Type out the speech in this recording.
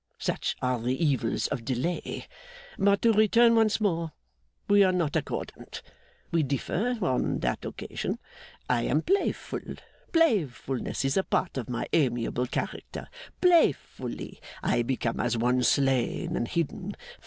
Such are the evils of delay. But to return once more. We are not accordant; we differ on that occasion. I am playful; playfulness is a part of my amiable character. Playfully, I become as one slain and hidden.